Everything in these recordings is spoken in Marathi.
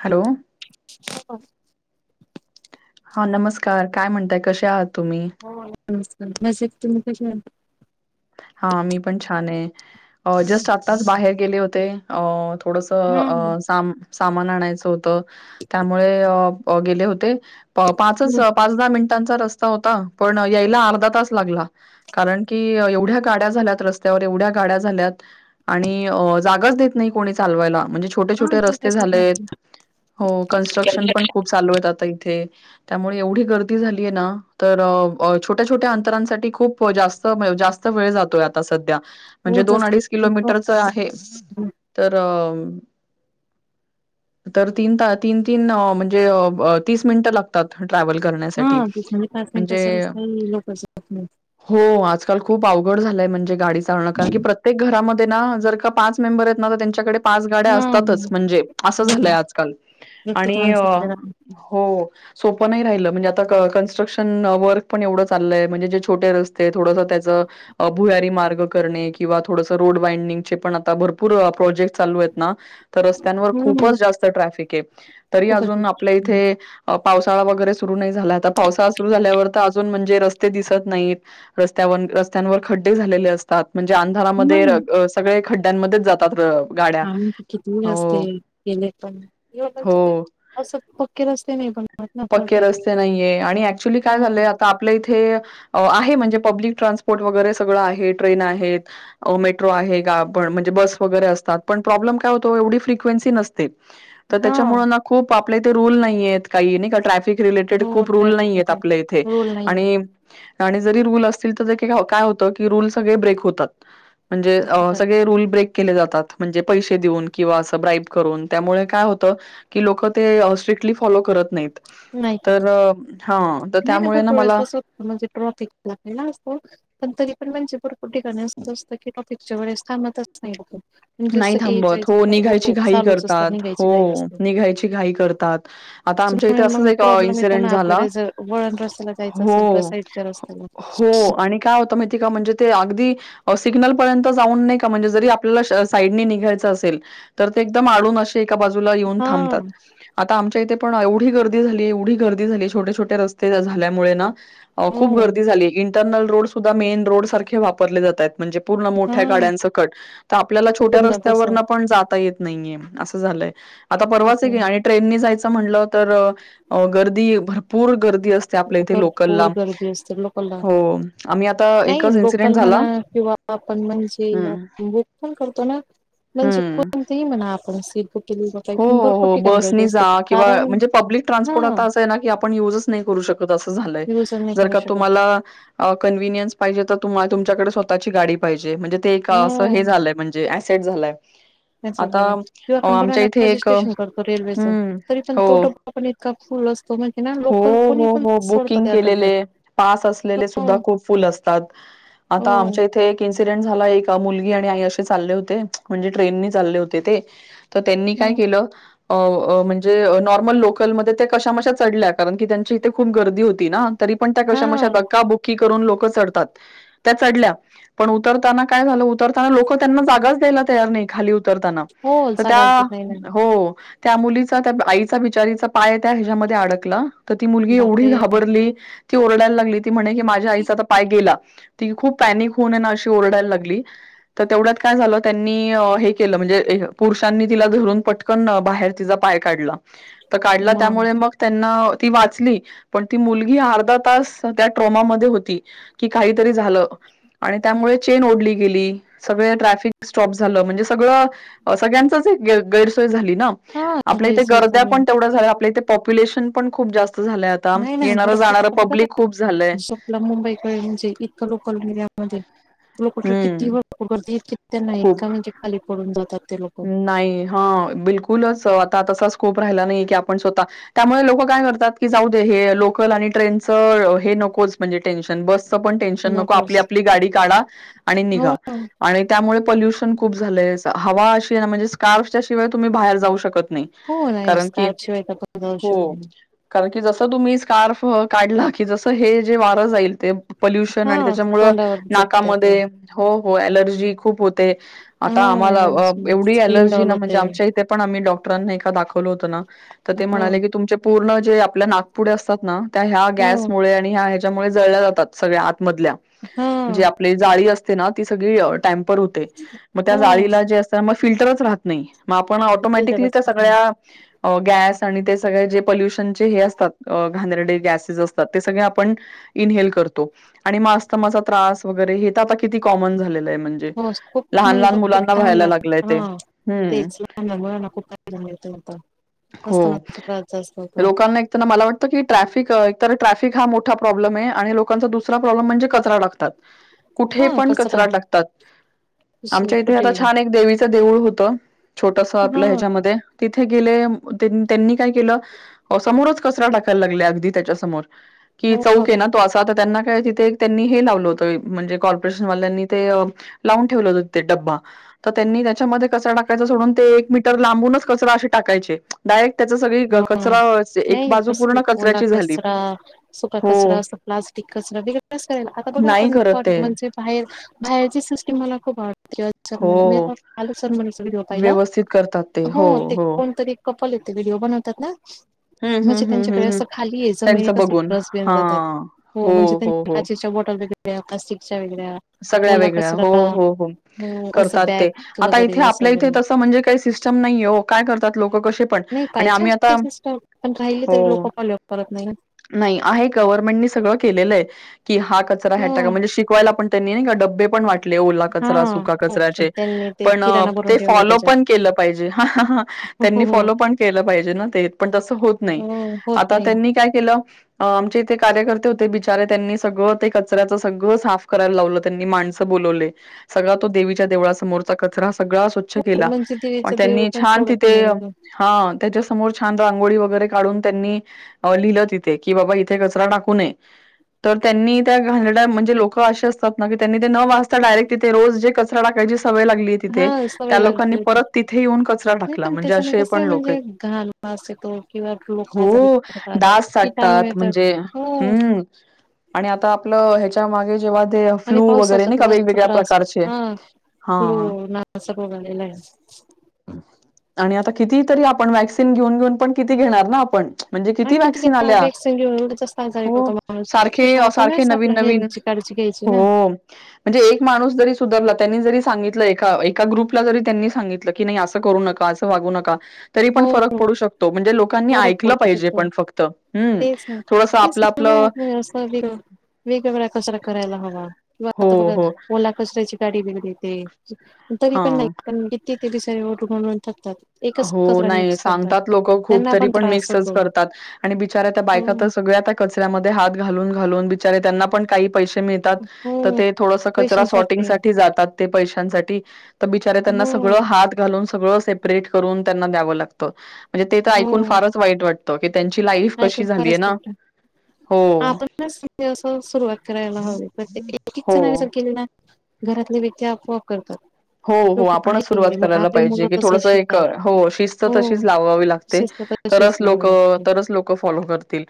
हॅलो. हा नमस्कार काय म्हणताय, कसे आहात तुम्ही? मस्त. [unintelligible] तुम्ही कशे आहात? हा मी पण छान आहे. जस्ट आत्ताच बाहेर गेले होते. अ थोडस हा हो. अं साम सामान आणायचं होतं. त्यामुळे गेले होते. पाचच हा, पाच, दहा मिनिट रस्ता होता, पण यायला अर्धा तास लागला. कारण की एव गाड्या झाल्या रस्त्यावर, एवढ्या गाड्या झाल्यात. आणि अ जागाच देत नाही कोणी चालवायला. म्हणजे छोटे छोटे काय काय रस्ते झाले शिकणार आहेत. तू? हो कन्स्ट्रक्शन पण खूप चालू आहेत आता इथे त्यामुळे एवढी गर्दी झालीय ना, तर छोट्या छोट्या अंतरांसाठी खूप जास्त [unintelligible] जास्त वेळ जातोय आता सध्या हो, म्हणजे दोन जसं अडीच किलोमीटरच आहे. तर हम्म. तर तीन, तीन, तीन म्हणजे तीस मिनिटं लागतात. ट्रॅव्हल करण्यासाठी. हां, दुसऱ्या डिपार्टमेंट म्हणजे असेल काही लोक नाही हो आजकाल खूप अवघड झालंय. म्हणजे गाडी चालवणं कारण की प्रत्येक घरामध्ये ना जर का पाच मेंबर आहेत ना तर त्यांच्याकडे पाच गाड्या असतातच म्हणजे असं झालंय आजकाल प्रत्येक आणि माणसाकडे हो सोपं नाही राहिलं म्हणजे आ ता कंक्स्ट्रशन वर्क पण एवढं चाललंय म्हणजे जे छोटे रस्ते थोडंसं ते भुयारी मार्ग करणे किंवा थोडंसं रोड वायडिंगचे पण आता भरपूर प्रोजेक्ट चालू आहेत. रस्त्यांवर खूपच जास्त ट्रफिक आहे. तरी खूपच अजून आपल्या हं, इथे वसाळा वगैरे सुरु नाही झाला आता पावसाळा सुरु झाल्यावर ता अजून म्हणजे रस्ते दिसत नाहीत, रस्त्यावर रस्त्यांवर खड्डे झालेले असतात. म्हणजे अंधारामध्ये अं सगळे खड्ड्यांमध्येच जातात अ आणि किती रस्ते असते गेले पण हो [unintelligible] असं पक्के रस्ते नाही पण पक्के रस्ते नाहीये आणि ऍक्च्युली काय झालंय आता आपल्या इथे आहे म्हणजे पब्लिक ट्रान्सपोर्ट वगैरे सगळं आहे. ट्रेन आहेत, मेट्रो आहे आपण म्हणजे बस वगैरे असतात, पण प्रॉब्लेम काय होतो एवढी फ्रिक्वेन्सी नसते. तर हा त्याच्यामुळें ना खूप आपल्या इथे रूल नाहीयेत काही नाही का ट्रॅफिक रिलेटेड हो खूप रुल ट्रॅफिक नाहीयेत ट्रॅफिक आपल्या इथे. रूल नाही आणि आणि जरी रूल असतील तर काय होतं की रूल सगळे ब्रेक होतात. म्हणजे अ सगळे रूल ब्रेक केले जातात म्हणजे पैसे देऊन किंवा असं ब्राइप करून त्यामुळे काय होतं, की लोक ते स्ट्री [unintelligible] फॉलो करत नाहीत, तर करत तर हा तर नाही नाही त्यामुळे भरपूर ना त्यावेळेस मला कसं म्हणजे ट्रॉफिक [unintelligible] असतो ना पण तरी पण म्हणजे भर कुठिका असं असतं की टॉपिकच्या वेळेस थांबतच नाही कुठं. नाही थांबत हो निघायची घाई चालूच असतात करतात, निघायची घाई हो असते. निघायची घाई करतात. आता आम त्याच्यामुळे [unintelligible] असाच मग एक प्रॉब्लेम येतो इन्सिडन्स ना झाला आपल्याला जर वळण रस्त्याला जायचं असेल किंवा हो, साईडच्या रस्त्याला हो. आणि काय होत माहिती का म्हणजे ते अगदी सिग्नलपर्यंत जाऊन नाही का म्हणजे जरी आपल्याला साईड निघायच असेल तर ते एकदम अडून असे एका बाजूला येऊन हा थांबतात. आता आमच्या इथे पण एवढी गर्दी झाली, एवढी गर्दी झाली छोटे, छोटे रस्ते झाल्यामुळे ना हो खूप गर्दी झाली. इंटरनल रोड सुद्धा मेन रोडसारखे वापरले जाताहेत. म्हणजे पूर्ण हा मोठ्या गाड्यांच कट तर आपल्याला छोट्या पूर्ण तसं रस्त्यावरणात नाही अस झाय आता परवाचं तसं आणि ट्रेननीयच म्ह गर् भरपूर ग ते आपल्या इथे लोकलला भरपूर गर्दी असते लोकला हो आम्ही आता नाही एकच इन्सिडेंट लोकल म्हणा झाला आपण म्हणजे हं, बुक पण करतो ना म्हणजे हं. कोणती म्हणा आपण बुक केली जात हो हो भरपूर हो ठिकाणी बस गर्दी जा असते किंवा कारण म्हणजे पब्लिक हा ट्रान्सपोर्ट आता असं आहे ना की आपण युजच नाही युज नाही करू शकत त तु्हा तुमकडे स्वतःची गडी पाहिजे म्हण हो त्याच आ किंवा आपण आ बघा ना रजिस्ट्रेशन करतो रेल्वेच तरी पण हो. तो डबा पण इतका फुल असतो म्हणज हो हो हो बुकिंग डब्यात केलेले पास असलेले हो सुद्धा खूप फुल असतात हो आता आमच्या इथे एसिडेंट झाला मुलगी आणि आई असे चालले होते म्हणजे ट्रेननी चालले होते ते तर त्यांनी काय केलं म्हणजे नॉर्मल लोकलमध्ये त्या कशामशा चढल्यात कारण की त्यांची इथे खूप गर्दी होती ना तरी पण त्या हा कशामशा क्काबुक्की करून लोकच चढतात त्या चढल्या पण उतरताना काय झालं उतरताना लोक त्यांना जागाच द्यायला तयार नाही खाली उतरताना हो तर जागाच देत नाही ना त्या हो त्या मुलीचा त्या आईचा बिचारीचा पाय त्या ह्याच्यामध्ये अडकला तर ती मुलगी एवढी बापरे घाबरली ती रडायला लागली ती म्हणे की माझ्या आईचा आता पाय गेला ति खूप पॅनिक होऊन ना अशी ओरडायला लागली तर तेवढ्यात काय झालं त्यांनी हे केलं म्हणे ुषांनी तून पट बाहेर ति पाय काढला तर काढला त्यामुळे मग त्यांना ती वाचली पण ती मुलगी अर्धा तास त्या ट्रोमामध्ये होती की काहीतरी झालं आणि त्यामुळे चेन ओढली गेली स ट्र स्टप झा म्हणजे सगळ त्यांच गैरसोय झाली हा आपल्या काही इथे सोयच गर्द्या नाही पण तेवढ्या झाल्या आपल्या इथे पॉप्युलेशन पण खूप जास्त झालंय आता. नाही नाही येणारं जाणारं भरपूर पब्लिक खूप झालंय झोपला मुंबईकडे म्हणजे इतकं लोकल मीडिया मध्ये तु ल कुठर किती हम्म गर्दी आहेत कित्या नाहीत खूप का म्हणजे खाली पडून जातात ते लोक नाही हा बिलकुलच आता तसाच स्त लोक काय लो म्हजे टेन्शन ब े नक आप नकोच आप गाडी काढा हो निघा त्या पोल्युशन खूप झालंय हवा अशी म्हणजे स्कार्सच्याशिवाय तुम्ही बाहेर जाऊ शकता नाही हो नाही कारण क स्कार्फ शिवाय तर आपण जाऊ हो शकत नाही कार.. की जसं तुम्ही स्कार्फ काढला की जसं हे जे वारं जाईल ते.. पल्युशन आणि हा त्याच्यामुळं तोंडावर जगते आपण नाकामध्ये हो.. हो अलर्जी खूप होते. आता आम्हाला हो एवढी स्किन अलर्जी डॉल ना म्हणजे होते आमच्या इथे पण आम्ही डॉ.. ां ए दाखवलं होत ना तर ते हो म्हणाले की तुमचे पूर्ण जे आपल्या नागपुढे असतात ना.. त्या ह्या हो गॅसमुळे आणि ह्या ह्याच्यामुळे जळल्या जातात सगळ्या आतमधल्या हा जे आपली जाळी अस.. ती सगळी टामपर होते मग त्या हो जाळीला जे.. म सगळ्या.. अ गॅस आणि ते सगळे जे पल्युशनचे हे असतात घादरडे गॅसेस असतात ते सगळे आपण.. क.. म्हणे हो खूप लहान म्हणजे लहान भरपूर मुलांना घाम व्हायला ला.. लागतो हा तेच खूप करायला मिळत आता.. हो लोकांना मला वाटत की ट्रफिक्रफ.. हा मोा प्रब्म लोकांचा दु प्रॉब्म म्हणजे कचरा टकतात.. कुठे हा पण कचरा कचराट लागतात आमच्या इथे आता कुठे छान एक देवीचं देऊळ होतं. छोटस हा आपलं ह्याच्यामध्ये तिथे गेले त्यांनी काय केलं समोरच.. कचरा टाकायला लागले अगदी त्याच्या समोर की हो चौक ये मग ना तो असा त त्यांना तर तिथे एक त्यांनी हे लावलं होतं म्हणजे कॉर्पोरेशन वाल्यांनी ते लावून ठेवलं होतं तिथे डब्बा. त त्यांनी त्याच्यामध्ये कचरा टाकायचा सोडून ते एक मीटर लांबूनच कचरा असे टाकायचे डायरेक्ट त्याचा सगळी कचरा एक नाही बाजू कस पूर्ण ओला कचऱ्याची झाली. कचरा हो. ते कचरा [unintelligible] असेल आता बघ नाही आपण करत ते म्हणजे बाहेर बाहेरची सिस्टीम म्हणा [unintelligible] कालच हो [unintelligible] चा व्हिडीओ पाहिला. हो ते कोणतरी कपल येत ते व्हिडिओ बनवतात ना. हम्म म्हणजे हम्म हम्म हम्म त्यांच्याकडे हम्म असं खाली आहे त्यांचं जमनीत असं बघून डस्टबिन हा रातात हो म्हणजे हो त्यां हो काचेच्या बॉटल वगै [unintelligible] सगळ्या वेगळ्या हो हो हो हो असं करतात ते बॅग आता वगैरे इथे असं आपल्या इथे वगैरे तस म्हणजे काय सिस्टम नाहीये ओ काय करतात लोक कसे पण नाही आणि पाहिजे आम्ही आता असले सिस्टम पण काहीले हो तरी लोक फॉलोप करत नाही. नाही आहे गव्हर्नमेंटनी सगळं केलेलं आहे. की हा कचरा ह्या हो टाका म्हणजे शिकवायला पण त्यांनी नाय का डब्बे पण वाट.. ले ओला कचरा हा सुका कचऱ्याचे त्यांनी ते पण किराणा भरून ते ठेवलाय फॉलो पण त्याच्यात केलं पाहिजे. हो त्यांनी फॉलो पण केलं पाहिजे ना ते पण तस होत नाही होत आता नाही त्यांनी काय केलं अ म्हणजे ते कार्यकर्ते होते बिचारे त्यांनी सगळं ते कचऱ्याचं सगळं साफ करायला लावलं त्यांनी माणसं बोलावले सगळा तो देवीच्या देव समोरचा कचरा सगळा स्वच्छ केला म्हणजे म देवीच देऊळ त्यांनी पण छान सोडत तिथे नाही लोक हा त्याच्याचं समोर छान रांगोळी वगैरे काढून त्यांनी लिहिलं तिथे की बाबा इथे कचरा टाकू नये. तर त्यांनी त्या घाणेरंड्या म्हणजे लोक क असे असतात ना की त्यांनी ते न वाचता डायरेक्ट तिथ रोज जे कचरा टाकायची सवय लागली हा तिथे त्या सवय लोकांनी लागली होती परत तिथे येऊन कचरा नाही टाकला पण म्हणजे त्याच्याने असे कस पण लोक येत. म्हणजे घाण वास येतो किंवा लोक आजारी हो पडतात डास किटाणू साटतात येतात म्हणजे हो हम्म आणि आता आपलं ह्याच्या मागे जेव्हा ते आणि फ्लू वगैरे पावसाचा नाही त का जास्त वेगवेगळ्या त्रास प्रकारचे हा हा फ्ल्यो ना रोग आलेला हाय. आणि आता किती तरी आपण वॅक्सिन घेऊन घेऊन पण किती घेणार ना आपण. म्हणजे हा किती व्हॅक्सिन आल्या वॅक्सिन घेऊन एवढं जास्त आजारी हो पडतो माणूस सारखे तशी अ सारखे आपणच नवीन आपल्या नवीन हेल्थची काळजी घ्यायची हो ना म्हणजे एक माणूस जरी सुधरला त्यांनी जरी सांगितलं एका एका ग्रुपला जरी त्यांनी सांगितलं की नाही असं करू नका असं वागू नका. तर पण हो फरक पडू शकतो म्हणजे लोकांनी फरक ऐकल पडू पाहीजे शकतो पण फक्त हूं थोडंसं आपल नाही अस विर वेगवेगळा कचरा करायला हवा. किंवा हो आता बघ हो ओला कचऱ्याची गाडी वेगर येते तरी पण हा नाय [unintelligible] ते बी सारे ओढून [unintelligible] थकतात एकच. हो कचरा नाही मिक्स करतात सांगतात लोक खूप त्यांना तरी पण त्रास मिक्सच होतो करतात आणि बिचऱ्या त्या बायका त हम्म सगळ्या त्या कच कचऱ्या मधी हात घाल घालून घालून बिचारे त्यांना पण काही पैसे मिळतात त हम्म ते थोडस कचरा शॉर्टिंग पैशांसाठी साठी जातात. ते पैशांसाठी त बिचारे त्यांना हम्म सगळं हात घालून सगळं सेपरेट करून त्यांना द्यावं लागतं. म्हणजे ते तर ऐकून हम्म फार वाईटच वाटत की त्यांची लाईफ ऐकून कशी झालीय फारच ना वाटतं. हो आपणच म्हणजे अस सुरुवात करायला हवी प्रत्येक एक हो. जणांनी केली ना घरातले व्यक्ती आपोआप करतात. हो तो हो पण आपणच सुरुवात आहे मग करायला आपली पाहिजे मुलं की तसं थोडस एक शिकतात हो शिस्त हो तशीच लावावी लागते. शिस्त तरच तशीच लोक लावावी लागते तरच लोक फॉलो करतील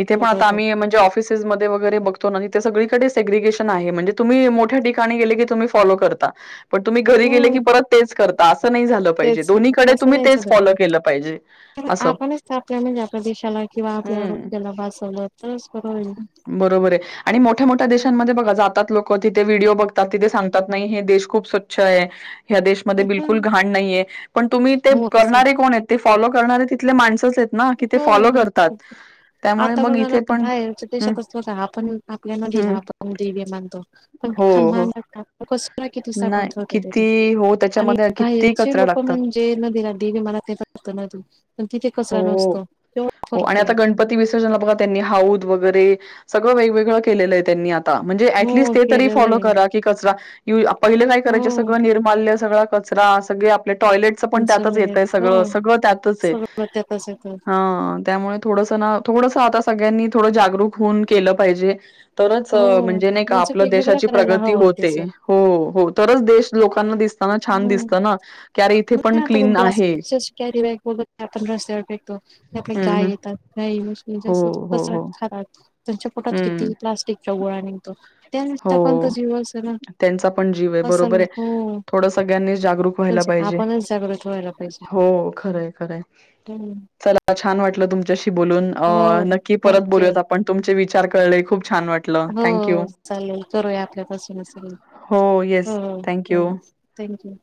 इथे पण आता बघतात आम्ही म्हणजे ऑफिसेस मध्ये वगैरे बघतो ना इथं सगळीकडे एग्रीकेशन आहे तुम्ही म्हणजे मोठी ठिकाणी गेले की फॉलो करतात. पण तुम्ही घरी गेले की हम्म परत तेच कर तेच ना अस नाय चालत म फॉलो केलं पाहिजे. तरी असं. आपणच तर आपल्या म्हणजे आपल्या देशाला. किंवा आपल्या हं. आरोग्याला वाचवलं तरच बरं होईल. बरोबर आहे. आणि मोठ्या मोठ्या ना. देशांमध्ये बघा जातात लोक. तिथे व्हिडिओ बघतात तिथे सांगत नाही हे देश खूप स्वच्छ आहे. ह्या देशमध्ये हं, बिलकुल घाण नाहीये पण तुम्ही ते हो तस हो करणारे कोण आहेत ते. फॉलो करणारे तिथले माणसच आहेत ना की ते फॉलो ना. करतात त्यामुळे मग इथे पण हं, तो का आपण आपल्या नदीला हं. आपण देवी मानतो हो, हो. नाही [unintelligible] किती हो आणि त्याच्यामध्ये किती बाहेरचे कचरा लोक टाकतात. म्हणजे नदीला देवी मला ते वात नदी पण तिथे कचरा नसतो हो. केवढा हो आणि फरक आहे आता गणपती विसर्जन बघा त्यांनी हाऊद वगैर वे सगळं वेगवेगळं केलेलं आहे त्यांनी आता म्हणजे हो टिस्ट ते तरी केलेलं फॉलो आहे करा की कचरा पहिले काय करायचे हो सगळं निर्माल्य सगळा कचरा सगळे. आप टॉयलेटचं पण त्यातच येतय जमिनीत सगळं सगळं त्यातच आहे. कस ख. हा त्यामुळे थोडस ना थोडस आता सगळ्यांनी थोडं जागरूक होऊन केलं पाहिजे. तरच हो म्हणजे नाही आपलं वेगवेगळा देशाची करायला प्रगती हवा होते त्याच हो हो तरच देश. लोकांना दिसत. दिसताना छान हम्म ना की अरे इथे म पण आताण क्लीन आहे प्लॅस्टिक कॅरी बॅग बत आपण रस्त्यावर फेकतो त्या आप गाय हम्म येतात गाई हो मतच हो हो खात तुमच्या पोटात हम्म किती प्लास्टिकच्या गोळा निघतो. हो त्यानुसार आपण तो जीव अस ना त्यांचा पण जीव आहे असल बरोबर आहे हो थोडं सगळ्यांनी जागरूक व्हायला म्हणजे पाहिजे. आपणच जागृत व्हायला पाहिजे हो खरं खरंय हम्म. चला. छान वाटलं तुमच्याशी बोलून हो नक्की परत थँक्यू बोलूयात आपण तुमचे विचार कळले खूप छान वाटलं थँक यू. चालल करूया आपल्यापासून असेल. हो येस थँक्यू थँक्यू.